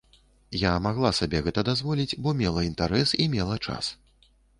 Я магла сабе гэта дазволіць, бо мела інтарэс і мела час.